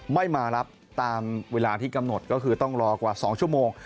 ไม่มารับตามเวลาที่กำหนดก็คือต้องรอกว่า๒ชั่วโมง